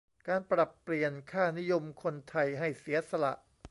การปรับเปลี่ยนค่านิยมคนไทยให้เสียสละ